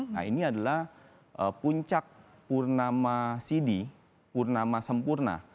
nah ini adalah puncak purnama sidi purnama sempurna